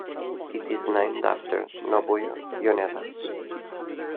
It is named after Nobuo Yoneda.